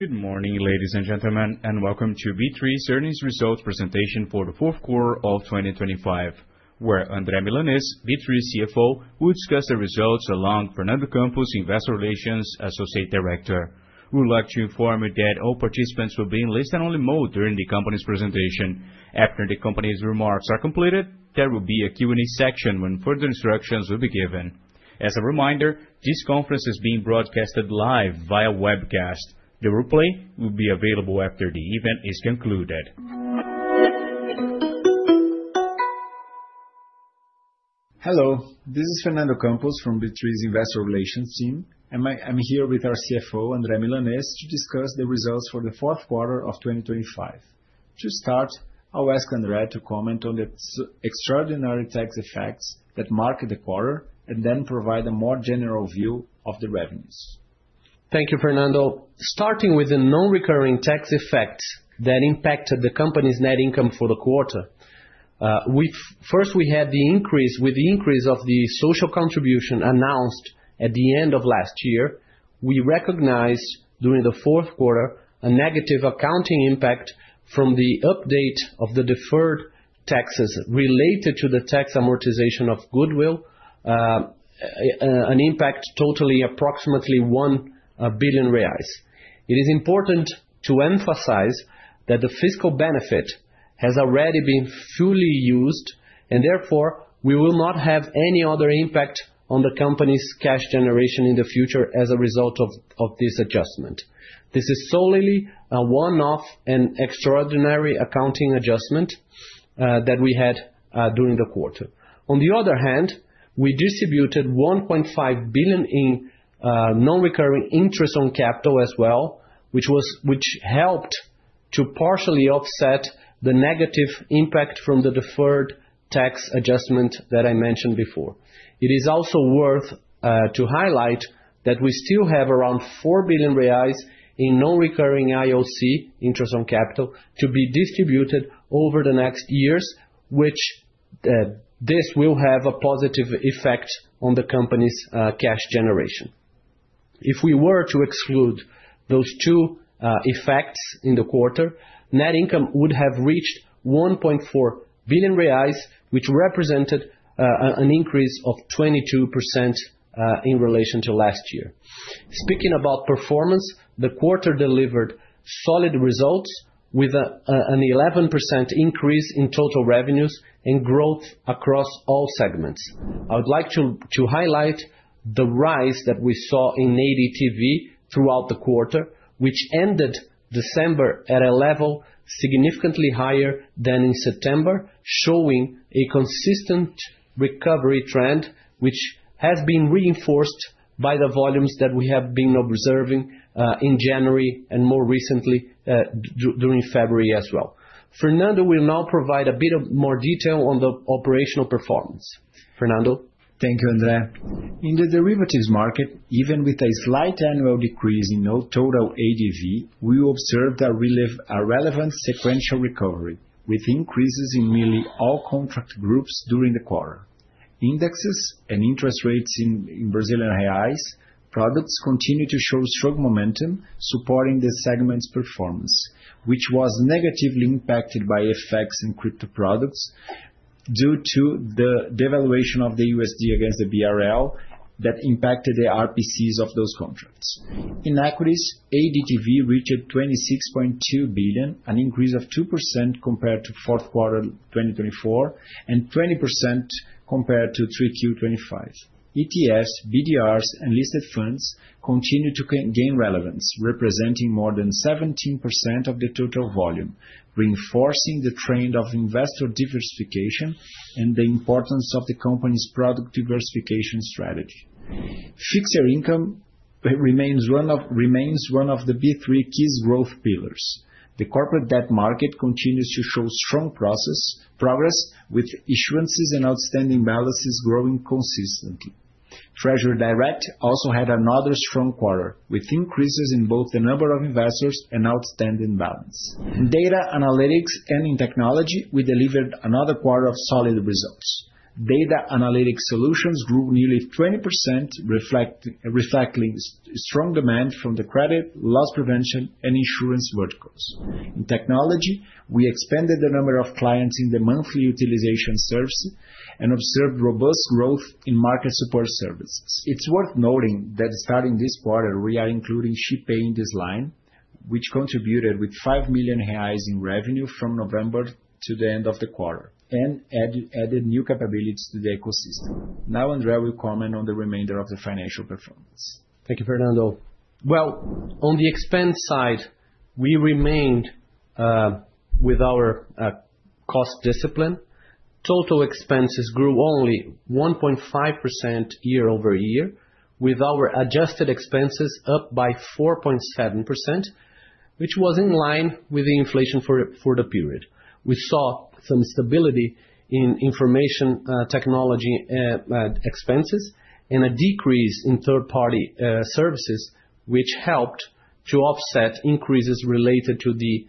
Good morning, ladies and gentlemen, and welcome to B3's earnings results presentation for the fourth quarter of 2025, where Andre Milanez, B3 CFO, will discuss the results along Fernando Campos, Investor Relations Associate Director. We would like to inform you that all participants will be in listen-only mode during the company's presentation. After the company's remarks are completed, there will be a Q&A section when further instructions will be given. As a reminder, this conference is being broadcasted live via webcast. The replay will be available after the event is concluded. Hello, this is Fernando Campos from B3's Investor Relations team, I'm here with our CFO, Andre Milanez, to discuss the results for the fourth quarter of 2025. To start, I'll ask Andre to comment on the extraordinary tax effects that marked the quarter and then provide a more general view of the revenues. Thank you, Fernando. Starting with the non-recurring tax effects that impacted the company's net income for the quarter. First, we had the increase with the increase of the Social Contribution announced at the end of last year, we recognized during the fourth quarter, a negative accounting impact from the update of the deferred taxes related to the tax amortization of goodwill, an impact totally approximately 1 billion reais. It is important to emphasize that the fiscal benefit has already been fully used, therefore, we will not have any other impact on the company's cash generation in the future as a result of this adjustment. This is solely a one-off and extraordinary accounting adjustment that we had during the quarter. We distributed 1.5 billion in non-recurring interest on capital as well, which helped to partially offset the negative impact from the deferred tax adjustment that I mentioned before. It is also worth to highlight that we still have around 4 billion reais in non-recurring IOC, interest on capital, to be distributed over the next years, which this will have a positive effect on the company's cash generation. If we were to exclude those two effects in the quarter, net income would have reached 1.4 billion reais, which represented an increase of 22% in relation to last year. Speaking about performance, the quarter delivered solid results with an 11% increase in total revenues and growth across all segments. I would like to highlight the rise that we saw in ADTV throughout the quarter, which ended December at a level significantly higher than in September, showing a consistent recovery trend, which has been reinforced by the volumes that we have been observing in January and more recently during February as well. Fernando will now provide a bit of more detail on the operational performance. Fernando? Thank you, André. In the derivatives market, even with a slight annual decrease in our total ADV, we observed a relevant sequential recovery, with increases in nearly all contract groups during the quarter. Indexes and interest rates in Brazilian Reais products continued to show strong momentum, supporting the segment's performance, which was negatively impacted by effects in crypto products due to the devaluation of the USD against the BRL that impacted the RPCs of those contracts. In equities, ADTV reached 26.2 billion, an increase of 2% compared to 4Q 2024, and 20% compared to 3Q 2025. ETFs, BDRs, and listed funds continued to gain relevance, representing more than 17% of the total volume, reinforcing the trend of investor diversification and the importance of the company's product diversification strategy. Fixed income remains one of... remains one of the B3 key growth pillars. The corporate debt market continues to show strong progress, with issuances and outstanding balances growing consistently. Tesouro Direto also had another strong quarter, with increases in both the number of investors and outstanding balance. In data analytics and in technology, we delivered another quarter of solid results. Data analytics solutions grew nearly 20%, reflecting strong demand from the credit, loss prevention, and insurance verticals. In technology, we expanded the number of clients in the monthly utilization services and observed robust growth in market support services. It's worth noting that starting this quarter, we are including Shipay in this line, which contributed with 5 million reais in revenue from November to the end of the quarter and added new capabilities to the ecosystem. Andre will comment on the remainder of the financial performance. Thank you, Fernando. Well, on the expense side, we remained with our cost discipline. Total expenses grew only 1.5% year-over-year, with our adjusted expenses up by 4.7%, which was in line with the inflation for the period. We saw some stability in information technology expenses, and a decrease in third-party services, which helped to offset increases related to the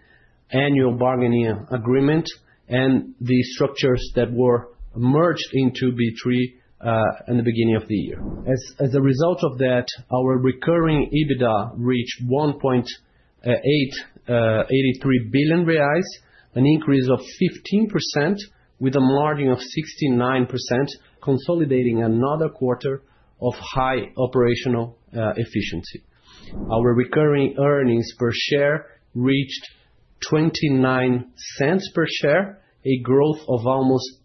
annual bargaining agreement and the structures that were merged into B3 in the beginning of the year. As a result of that, our recurring EBITDA reached one point- 83 billion reais, an increase of 15% with a margin of 69%, consolidating another quarter of high operational efficiency. Our recurring Earnings Per Share reached 0.29 per share, a growth of almost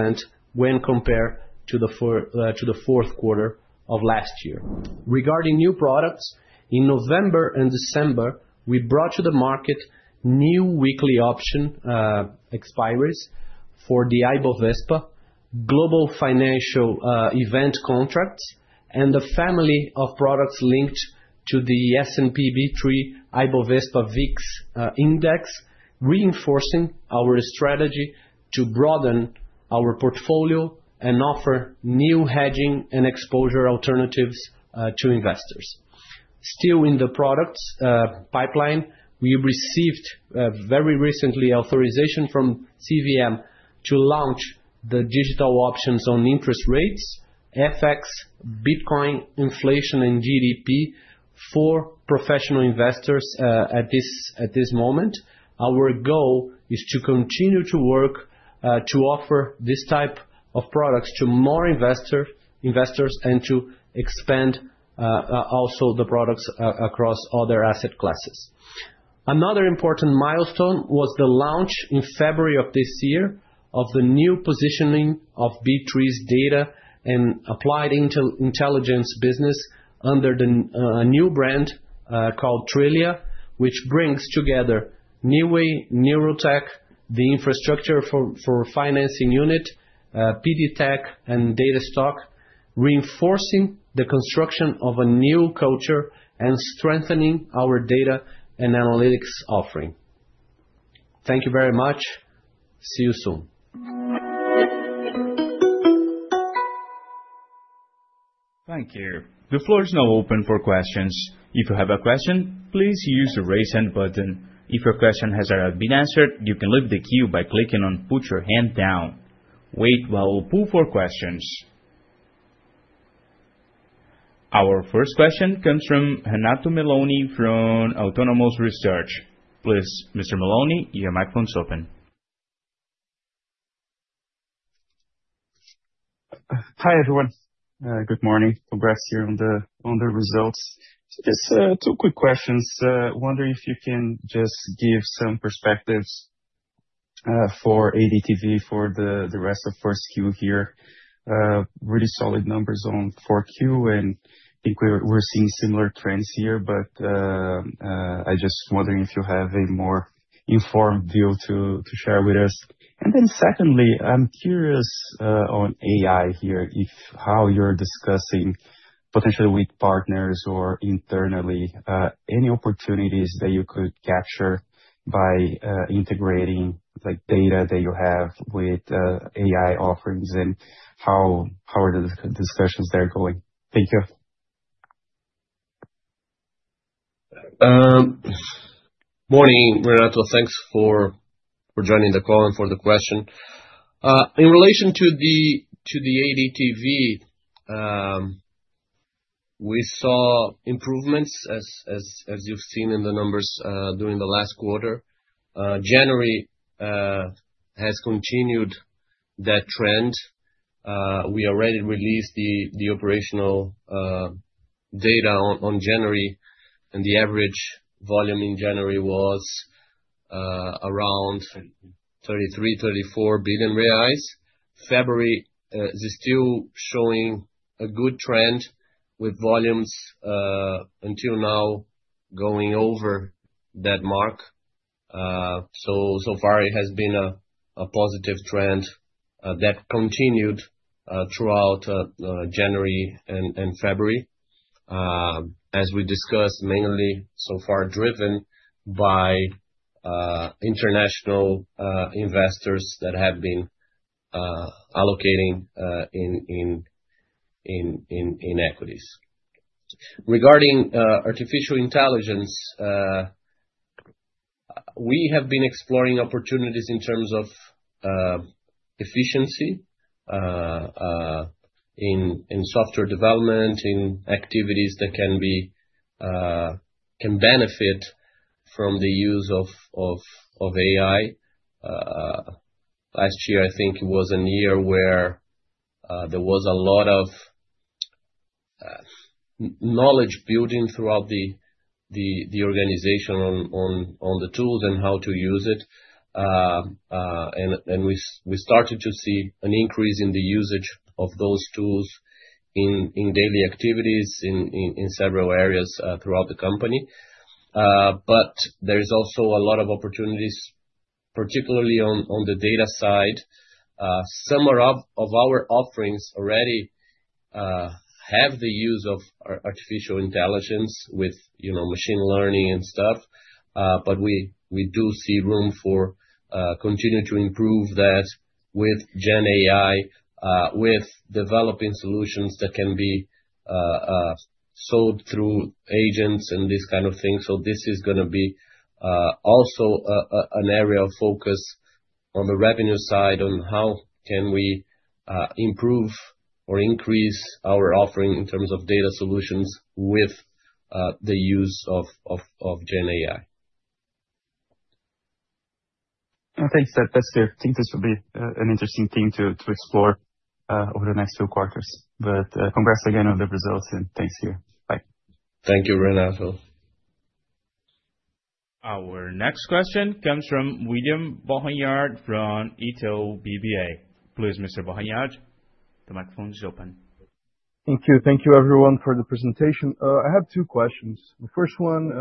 30% when compared to the fourth quarter of last year. Regarding new products, in November and December, we brought to the market new weekly option expiries for the Ibovespa Global Financial event contracts and a family of products linked to the S&P/B3 Ibovespa VIX Index, reinforcing our strategy to broaden our portfolio and offer new hedging and exposure alternatives to investors. Still in the products pipeline, we received very recently, authorization from CVM to launch the digital options on interest rates, FX, Bitcoin, inflation, and GDP for professional investors at this moment. Our goal is to continue to work, to offer this type of products to more investors, and to expand also the products across other asset classes. Another important milestone was the launch in February of this year of the new positioning of B3's data and applied intelligence business under a new brand called Trilia, which brings together Neoway, Neurotech, the infrastructure for financing unit, PDTec, and Datastock, reinforcing the construction of a new culture and strengthening our data and analytics offering. Thank you very much. See you soon. Thank you. The floor is now open for questions. If you have a question, please use the Raise Hand button. If your question has already been answered, you can leave the queue by clicking on Put Your Hand Down. Wait while we pull for questions. Our first question comes from Renato Milani, from Autonomous Research. Please, Mr. Milani, your microphone is open. Hi, everyone. Good morning. Congrats here on the results. Just two quick questions. Wondering if you can just give some perspectives for ADTV for the rest of first quarter here. Really solid numbers on 4Q. I think we're seeing similar trends here. I just wondering if you have a more informed view to share with us. Secondly, I'm curious on AI here, if how you're discussing potentially with partners or internally, any opportunities that you could capture by integrating, like, data that you have with AI offerings, how are the discussions there going? Thank you. Morning, Renato. Thanks for joining the call and for the question. In relation to the ADTV, we saw improvements as you've seen in the numbers during the last quarter. January has continued that trend. We already released the operational data on January, the average volume in January was around 33 billion-34 billion reais. February is still showing a good trend with volumes until now, going over that mark. So far it has been a positive trend that continued throughout January and February. As we discussed, mainly so far driven by international investors that have been allocating in equities. Regarding artificial intelligence, we have been exploring opportunities in terms of efficiency in software development, in activities that can benefit from the use of AI. Last year, I think, was a year where there was a lot of knowledge building throughout the organization on the tools and how to use it. We started to see an increase in the usage of those tools in daily activities in several areas throughout the company. There is also a lot of opportunities, particularly on the data side. Some of our offerings already have the use of artificial intelligence with, you know, machine learning and stuff. We, we do see room for continuing to improve that with GenAI, with developing solutions that can be sold through agents and this kind of thing. This is gonna be also an area of focus on the revenue side, on how can we improve or increase our offering in terms of data solutions with the use of GenAI? Okay, that's it. I think this will be an interesting thing to explore over the next few quarters. Congrats again on the results and thanks to you. Bye. Thank you, Renato. Our next question comes from William Barranjard from Itaú BBA. Please, Mr. Barranjard, the microphone is open. Thank you. Thank you everyone for the presentation. I have two questions. The first one,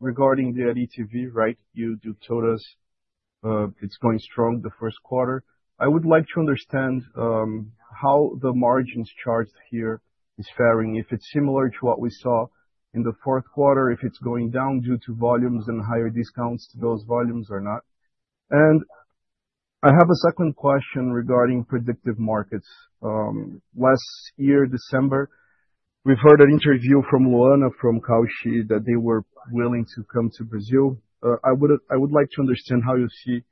regarding the inaudible, right? You do told us, it's going strong the first quarter. I would like to understand how the margins charged here is faring, if it's similar to what we saw in the fourth quarter, if it's going down due to volumes and higher discounts to those volumes or not. I have a second question regarding predictive markets. Last year, December, we've heard an interview from Luana, from Kalshi, that they were willing to come to Brazil. I would like to understand how you see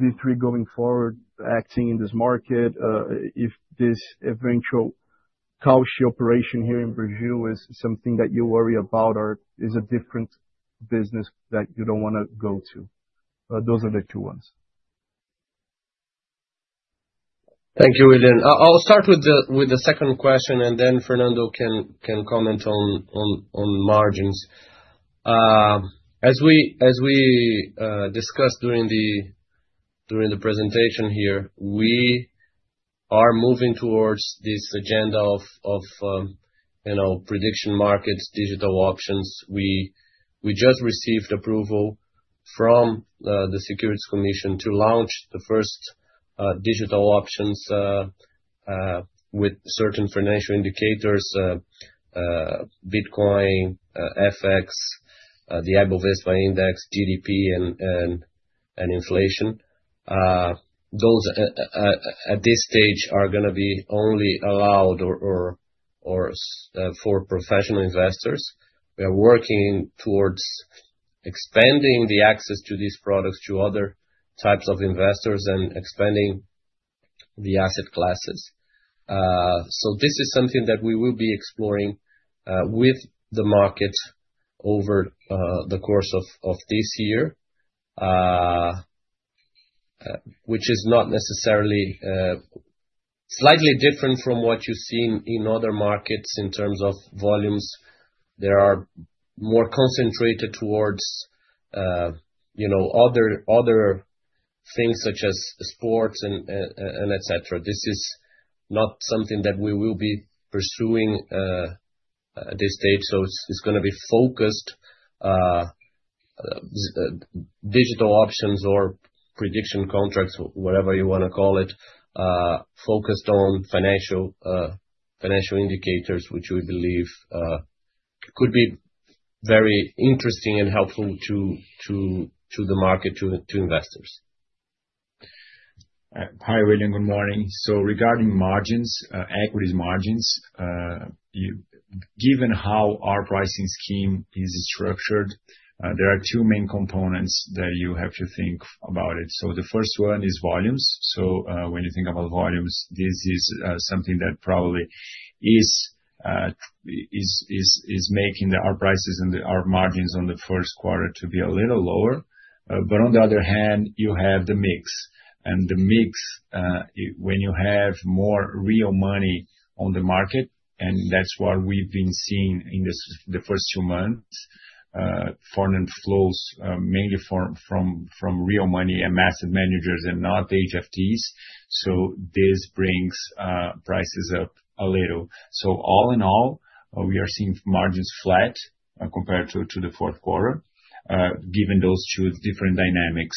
these three going forward, acting in this market, if this eventual Kalshi operation here in Brazil is something that you worry about or is a different business that you don't want to go to. Those are the two ones. Thank you, William. I'll start with the second question, and then Fernando can comment on margins. As we discussed during the presentation here, we are moving towards this agenda of, you know, prediction markets, digital options. We just received approval from the Securities Commission to launch the first digital options with certain financial indicators, Bitcoin, FX, the Ibovespa index, GDP and inflation. Those at this stage are gonna be only allowed or for professional investors. We are working towards expanding the access to these products to other types of investors and expanding the asset classes. This is something that we will be exploring with the market over the course of this year, which is not necessarily. Slightly different from what you see in other markets in terms of volumes. They are more concentrated towards, you know, other things such as sports and et cetera. This is not something that we will be pursuing at this stage, so it's gonna be focused digital options or prediction contracts, or whatever you wanna call it, focused on financial indicators, which we believe could be very interesting and helpful to the market, to investors. Hi, William. Good morning. Regarding margins, equities margins, given how our pricing scheme is structured, there are two main components that you have to think about it. The first one is volumes. When you think about volumes, this is something that probably is making our prices and our margins on the first quarter to be a little lower. On the other hand, you have the mix, and the mix, when you have more real money on the market, and that's what we've been seeing in the first two months, foreign inflows, mainly from real money and asset managers and not HFTs, this brings prices up a little. All in all, we are seeing margins flat, compared to the fourth quarter, given those two different dynamics.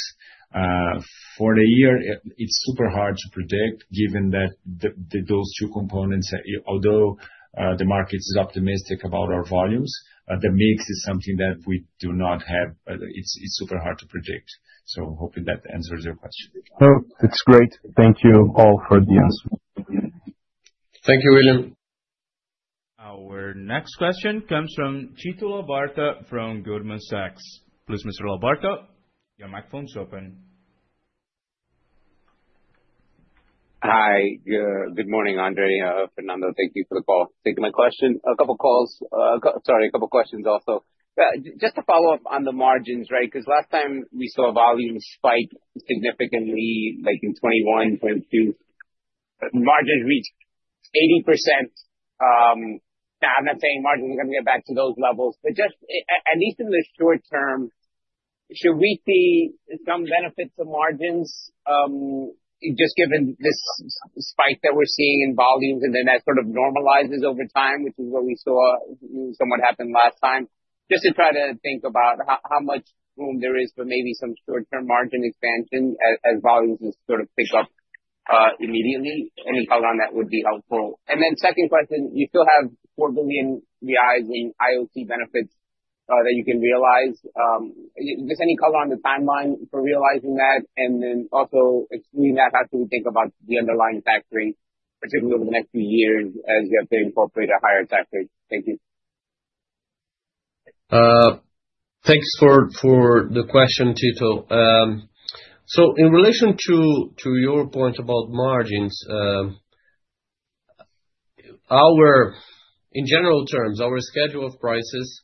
For the year, it's super hard to predict, given that the those two components, although the market is optimistic about our volumes, the mix is something that we do not have. It's super hard to predict. Hoping that answers your question. Oh, it's great. Thank you all for the answer. Thank you, William. Our next question comes from Tito Labarta from Goldman Sachs. Please, Mr. Labarta, your microphone is open. Hi, good morning, André, Fernando Campos. Thank you for the call. Taking my question, a couple questions also. Just to follow up on the margins, right? Because last time we saw volumes spike significantly, like in 2021, 2022, margins reached 80%. Now, I'm not saying margins are gonna get back to those levels, but just at least in the short term, should we see some benefits of margins, just given this spike that we're seeing in volumes, and then that sort of normalizes over time, which is what we saw somewhat happen last time? Just to try to think about how much room there is for maybe some short-term margin expansion as volumes sort of pick up immediately. Any color on that would be helpful. Second question, you still have 4 billion reais in IOC benefits that you can realize. Just any color on the timeline for realizing that? Also, excluding that, how do we think about the underlying factory, particularly over the next few years as you have to incorporate a higher factory? Thank you. Thanks for the question, Tito. In relation to your point about margins, in general terms, our schedule of prices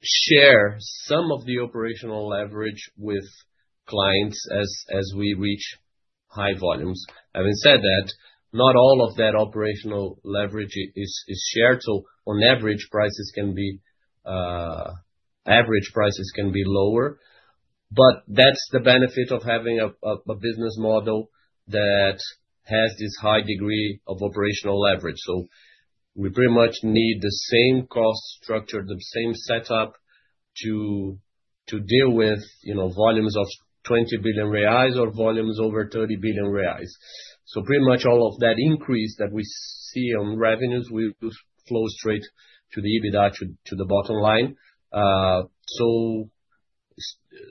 share some of the operational leverage with clients as we reach high volumes. Having said that, not all of that operational leverage is shared, on average prices can be lower. That's the benefit of having a business model that has this high degree of operational leverage. We pretty much need the same cost structure, the same setup, to deal with, you know, volumes of 20 billion reais or volumes over 30 billion reais. Pretty much all of that increase that we see on revenues will just flow straight to the EBITDA, to the bottom line.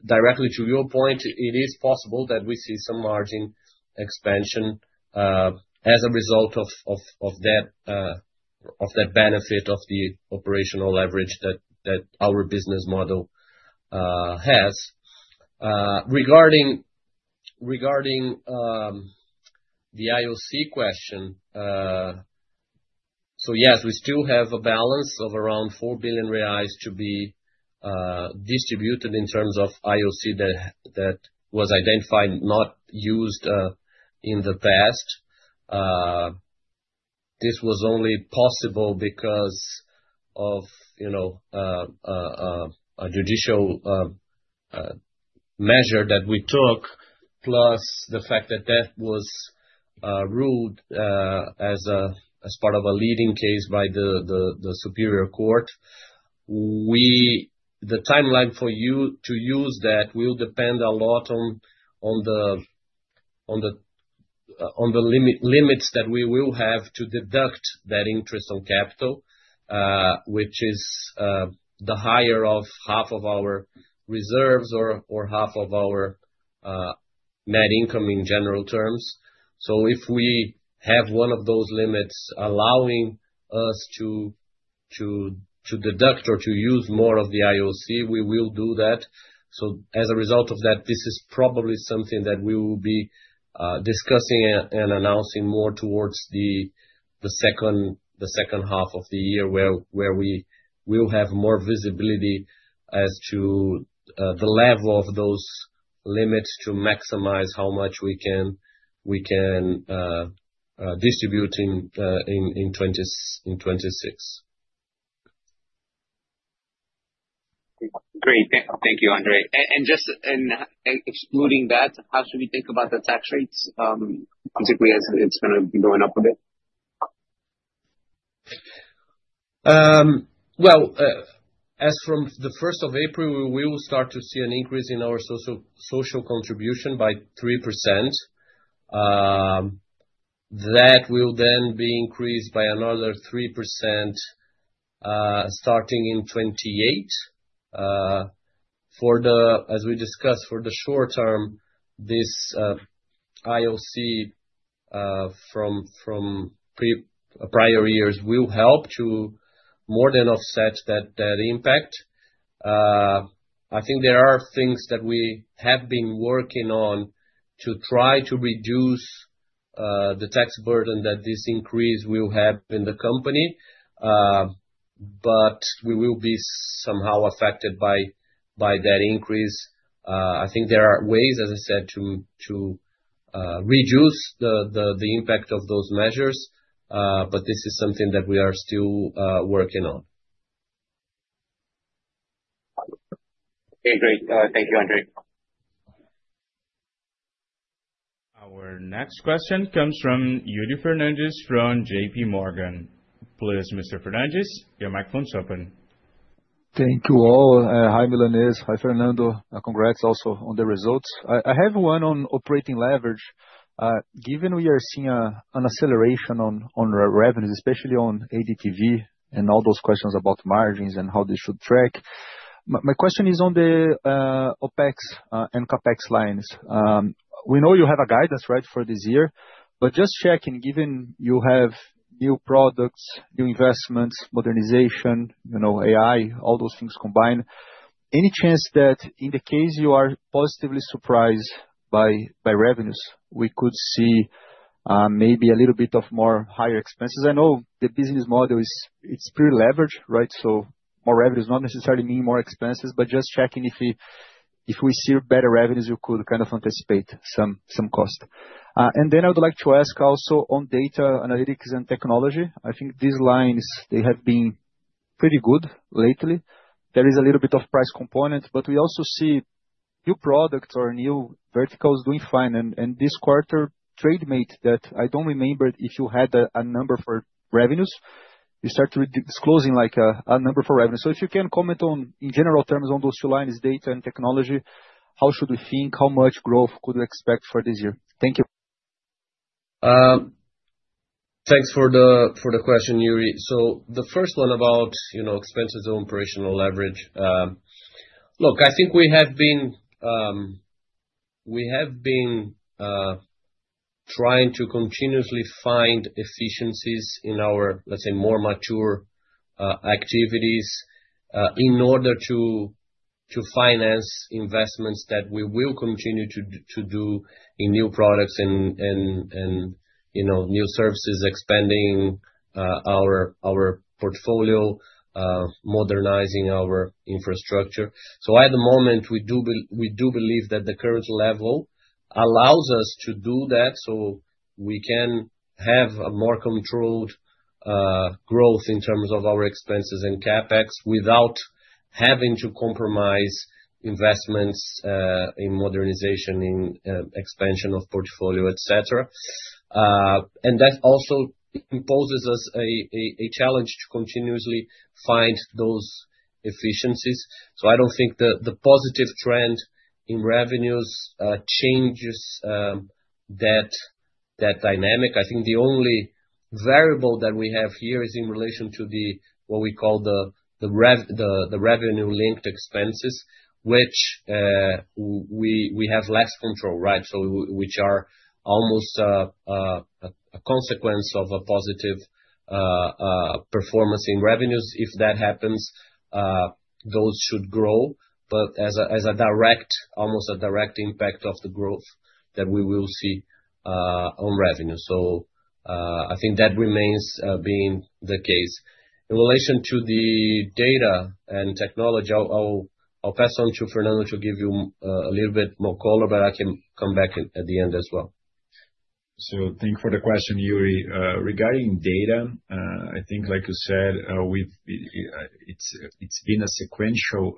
Directly to your point, it is possible that we see some margin expansion as a result of that benefit of the operational leverage that our business model has. Regarding the IOC question, yes, we still have a balance of around 4 billion reais to be distributed in terms of IOC that was identified, not used, in the past. This was only possible because of, you know, a judicial measure that we took, plus the fact that that was ruled as part of a leading case by the superior court. We. The timeline for you to use that will depend a lot on the limits that we will have to deduct that interest on capital, which is the higher of half of our reserves or half of our net income in general terms. If we have one of those limits allowing us to deduct or to use more of the IOC, we will do that. As a result of that, this is probably something that we will be discussing and announcing more towards the second half of the year, where we will have more visibility as to the level of those limits to maximize how much we can distribute in 2026. Great. Thank you, Andre. Just, and excluding that, how should we think about the tax rates, basically as it's gonna be going up a bit? As from the first of April, we will start to see an increase in our Social Contribution by 3%. That will then be increased by another 3%, starting in 2028. As we discussed, for the short term, this IOC from prior years will help to more than offset that impact. I think there are things that we have been working on to try to reduce the tax burden that this increase will have in the company, but we will be somehow affected by that increase. I think there are ways, as I said, to reduce the impact of those measures, but this is something that we are still working on. Okay, great. Thank you, Andre. Our next question comes from Yuri Fernandes from JPMorgan. Please, Mr. Fernandes, your microphone is open. Thank you all. Hi, Milanez. Hi, Fernando. Congrats also on the results. I have one on operating leverage. Given we are seeing an acceleration on revenues, especially on ADTV and all those questions about margins and how they should track, my question is on the OPEX and CapEx lines. We know you have a guidance, right, for this year, but just checking, given you have new products, new investments, modernization, you know, AI, all those things combined, any chance that in the case you are positively surprised by revenues, we could see maybe a little bit of more higher expenses? I know the business model is, it's pretty leveraged, right? More revenues not necessarily mean more expenses, but just checking if we see better revenues, you could kind of anticipate some cost. I would like to ask also on data analytics and technology. I think these lines, they have been pretty good lately. There is a little bit of price component, but we also see new products or new verticals doing fine. This quarter Trademate that I don't remember if you had a number for revenues. You start with disclosing like a number for revenues. If you can comment on, in general terms, on those two lines, data and technology, how should we think? How much growth could we expect for this year? Thank you. Thanks for the, for the question, Yuri. The first one about, you know, expenses on operational leverage. Look, I think we have been, we have been trying to continuously find efficiencies in our, let's say, more mature activities, in order to finance investments that we will continue to do in new products and, and, you know, new services, expanding our portfolio, modernizing our infrastructure. At the moment, we do believe that the current level allows us to do that, so we can have a more controlled growth in terms of our expenses and CapEx, without having to compromise investments, in modernization, in expansion of portfolio, et cetera. That also imposes us a, a challenge to continuously find those efficiencies. I don't think the positive trend in revenues changes that dynamic. I think the only variable that we have here is in relation to what we call the revenue-linked expenses, which we have less control, right? Which are almost a consequence of a positive performance in revenues. If that happens, those should grow, but as a direct, almost a direct impact of the growth that we will see on revenue. I think that remains being the case. In relation to the data and technology, I'll pass on to Fernando to give you a little bit more color, but I can come back in at the end as well. Thank you for the question, Yuri. Regarding data, I think like you said, we've, it's been a sequential.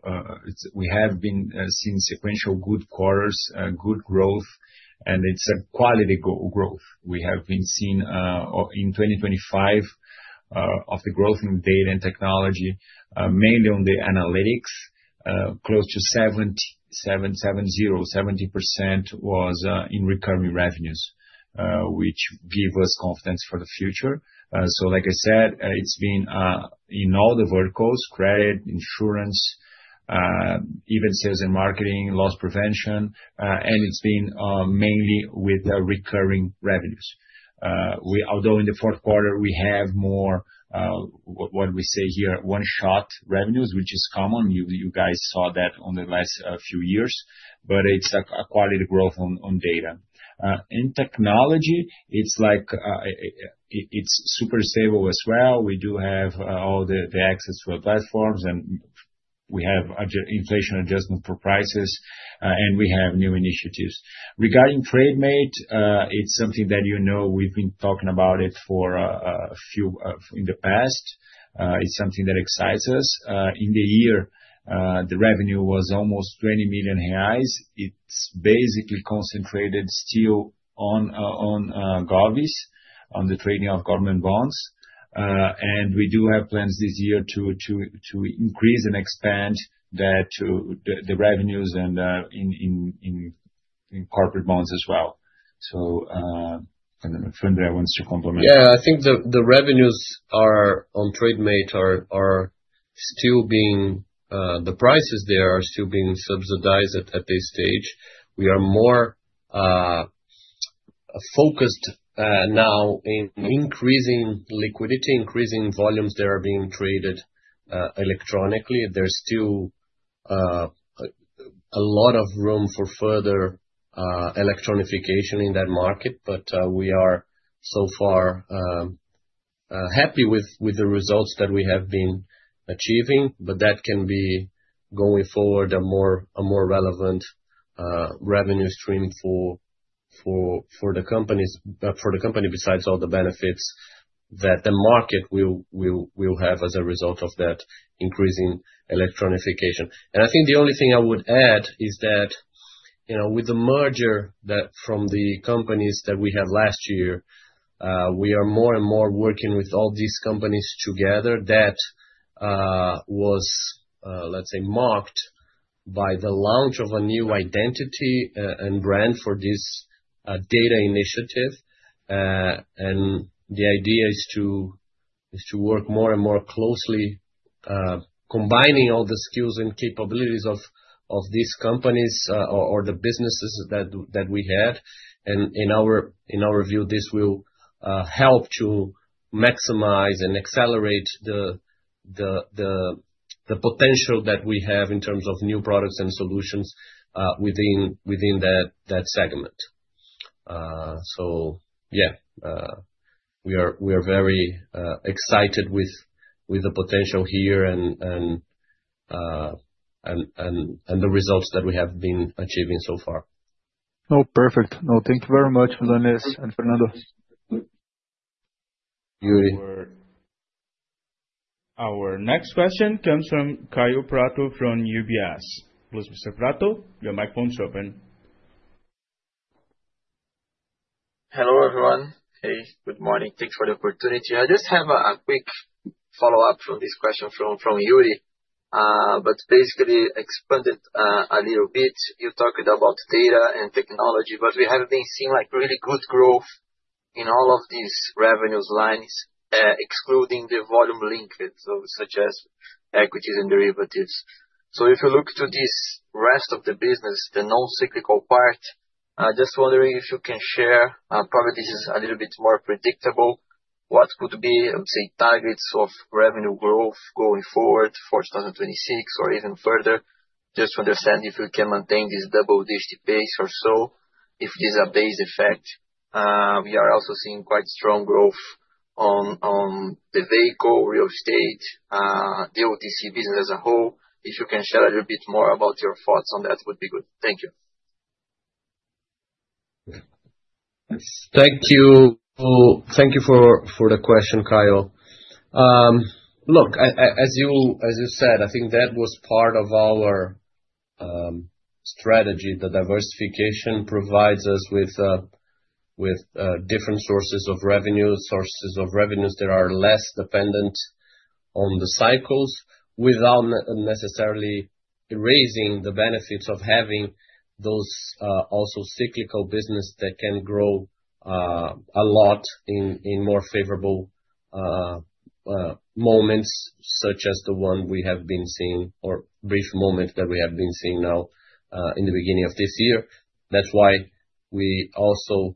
We have been seeing sequential good quarters, good growth, and it's a quality growth. We have been seeing in 2025 of the growth in data and technology, mainly on the analytics, close to 70, 770, 70% was in recurring revenues, which give us confidence for the future. Like I said, it's been in all the verticals: credit, insurance, even sales and marketing, loss prevention, and it's been mainly with the recurring revenues. Although in the fourth quarter, we have more what we say here, one-shot revenues, which is common. You guys saw that on the last few years, but it's a quality growth on data. In technology, it's like it's super stable as well. We do have all the access to our platforms, and we have inflation adjustment for prices, and we have new initiatives. Regarding Trademate, it's something that you know, we've been talking about it for a few in the past. It's something that excites us. In the year, the revenue was almost 20 million reais. It's basically concentrated still on govies, on the trading of government bonds. We do have plans this year to increase and expand that the revenues and in corporate bonds as well. Andre wants to complement. Yeah, I think the revenues are, on Trademate are still being, the prices there are still being subsidized at this stage. We are more focused now in increasing liquidity, increasing volumes that are being traded electronically. There's still a lot of room for further electronification in that market, but we are so far happy with the results that we have been achieving. That can be, going forward, a more relevant revenue stream for the companies, for the company, besides all the benefits that the market will have as a result of that increasing electronification. I think the only thing I would add is that, you know, with the merger, that from the companies that we had last year, we are more and more working with all these companies together. That was, let's say, marked by the launch of a new identity and brand for this data initiative. And the idea is to work more and more closely, combining all the skills and capabilities of these companies or the businesses that we have. In our view, this will help to maximize and accelerate the potential that we have in terms of new products and solutions within that segment. Yeah, we are very excited with the potential here and the results that we have been achieving so far. No, perfect. No, thank you very much, Andres and Fernando. Yuri. Our next question comes from Kaio Prato from UBS. Please, Mr. Prato, your microphone is open. Hello, everyone. Hey, good morning. Thanks for the opportunity. I just have a quick follow-up from this question from Yuri, but basically expand it a little bit. You talked about data and technology, but we have been seeing, like, really good growth in all of these revenues lines, excluding the volume linked, such as equities and derivatives. If you look to this rest of the business, the non-cyclical part, I just wondering if you can share, probably this is a little bit more predictable, what could be, I would say, targets of revenue growth going forward for 2026 or even further, just to understand if you can maintain this double-digit pace or so, if it is a base effect. We are also seeing quite strong growth on the vehicle, real estate, the OTC business as a whole. If you can share a little bit more about your thoughts on that, would be good. Thank you. Thank you. Thank you for the question, Kaio. Look, as you said, I think that was part of our strategy. The diversification provides us with different sources of revenue, sources of revenues that are less dependent on the cycles, without necessarily erasing the benefits of having those also cyclical business that can grow a lot in more favorable moments, such as the one we have been seeing or brief moment that we have been seeing now in the beginning of this year. That's why we also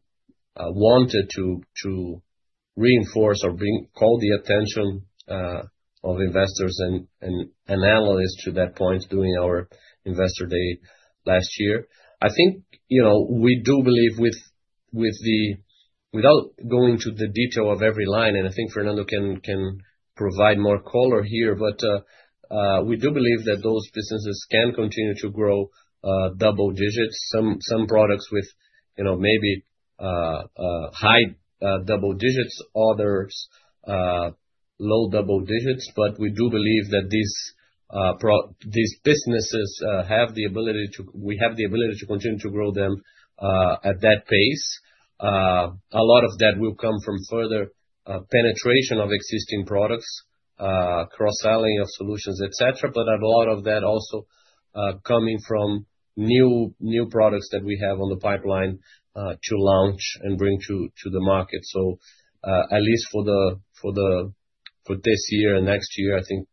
wanted to reinforce or call the attention of investors and analysts to that point, during our investor day last year. I think, you know, we do believe with the... Without going to the detail of every line, I think Fernando can provide more color here, but we do believe that those businesses can continue to grow, double digits. Some products with, you know, maybe, high double digits, others, low double digits. We do believe that these businesses have the ability to continue to grow them, at that pace. A lot of that will come from further penetration of existing products, cross-selling of solutions, et cetera. A lot of that also, coming from new products that we have on the pipeline, to launch and bring to the market. At least for this year and next year, I think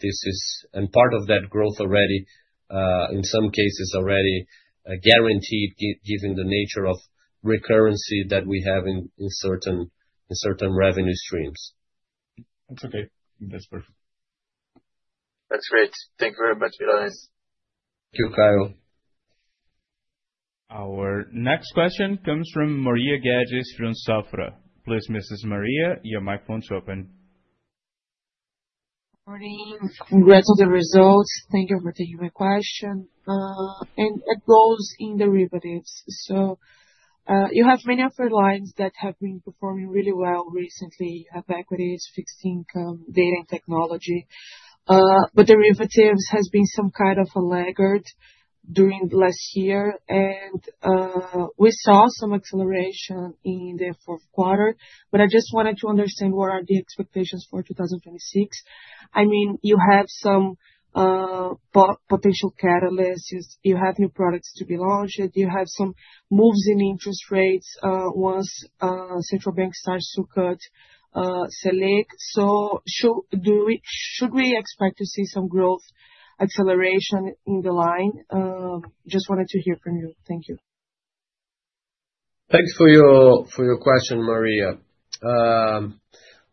this is. Part of that growth already, in some cases already, guaranteed given the nature of recurrency that we have in certain revenue streams. That's okay. That's perfect. That's great. Thank you very much, guys. Thank you, Kyle. Our next question comes from Mario Gades from Safra. Please, Mrs. Maria, your microphone's open. Morning. Congrats on the results. Thank you for taking my question. It goes in derivatives. You have many other lines that have been performing really well recently: equities, fixed income, data and technology. Derivatives has been some kind of a laggard during last year, and we saw some acceleration in the fourth quarter. I just wanted to understand what are the expectations for 2026. I mean, you have some potential catalysts, you have new products to be launched, you have some moves in interest rates, once central bank starts to cut Selic. Should we expect to see some growth acceleration in the line? Just wanted to hear from you. Thank you. Thanks for your question, Mario Gades.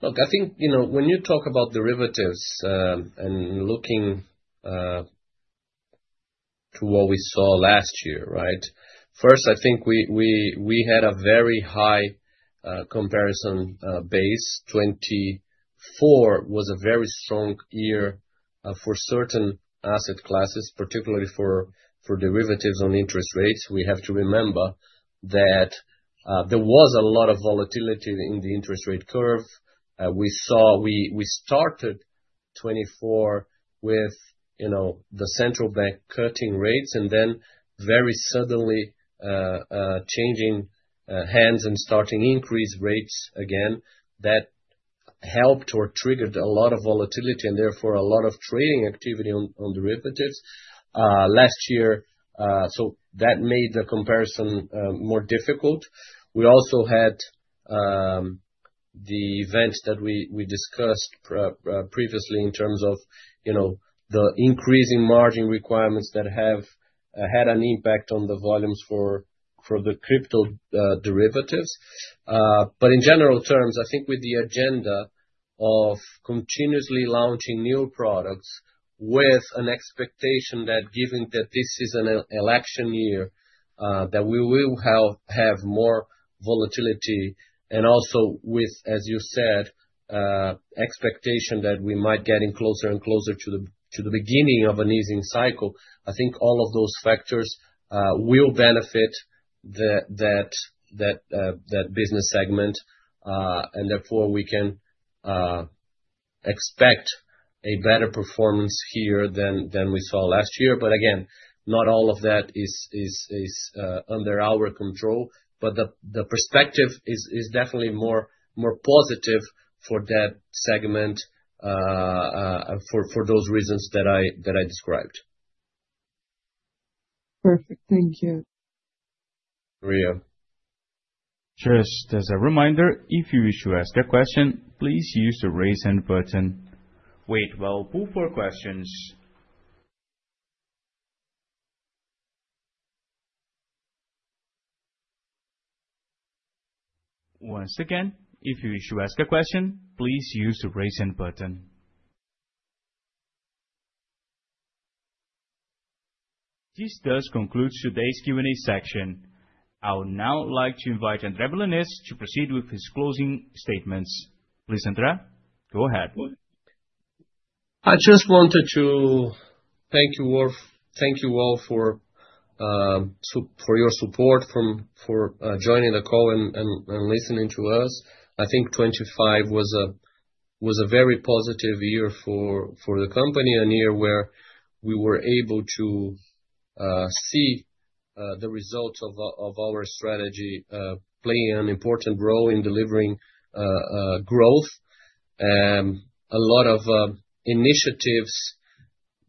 Look, I think, you know, when you talk about derivatives, and looking to what we saw last year, right? First, I think we had a very high comparison base. 2024 was a very strong year for certain asset classes, particularly for derivatives on interest rates. We have to remember that there was a lot of volatility in the interest rate curve. We started 2024 with, you know, the Central Bank cutting rates and then very suddenly changing hands and starting increase rates again. That helped or triggered a lot of volatility, and therefore a lot of trading activity on derivatives. Last year, so that made the comparison more difficult. We also had the events that we discussed previously in terms of, you know, the increase in margin requirements that have had an impact on the volumes for the crypto derivatives. In general terms, I think with the agenda of continuously launching new products with an expectation that given that this is an election year that we will have more volatility, and also with, as you said, expectation that we might getting closer and closer to the beginning of an easing cycle. I think all of those factors will benefit that business segment, and therefore we can expect a better performance here than we saw last year. Again, not all of that is under our control. The perspective is definitely more positive for that segment, for those reasons that I described. Perfect. Thank you. Maria. Just as a reminder, if you wish to ask a question, please use the Raise Hand button. We'd well, pull for questions. Once again, if you wish to ask a question, please use the Raise Hand button. This does conclude today's Q&A section. I would now like to invite André Milanez to proceed with his closing statements. Please, André, go ahead. I just wanted to thank you all, thank you all for your support, for joining the call and listening to us. I think 2025 was a very positive year for the company, a year where we were able to see the results of our strategy playing an important role in delivering growth. A lot of initiatives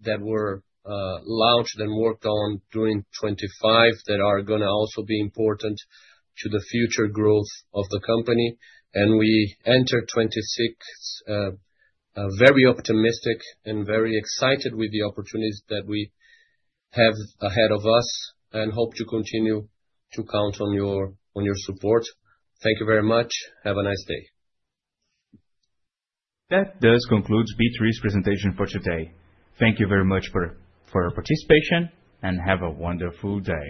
that were launched and worked on during 2025, that are gonna also be important to the future growth of the company. We enter 2026 very optimistic and very excited with the opportunities that we have ahead of us, and hope to continue to count on your support. Thank you very much. Have a nice day. That does conclude B3's presentation for today. Thank you very much for your participation, and have a wonderful day.